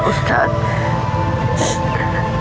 pak ustaz maafin pak ucup